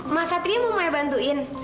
mas satria mau bantuin